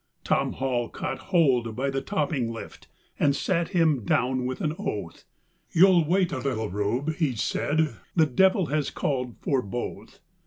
Tom Hall caught hold by the topping lift, and sat him down with an oath, "You'll wait a little, Rube," he said, "the Devil has called for both.